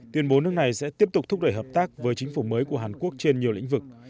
tuyên bố nước này sẽ tiếp tục thúc đẩy hợp tác với chính phủ mới của hàn quốc trên nhiều lĩnh vực